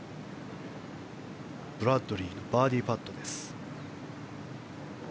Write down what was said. ブラッドリーバーディーパット。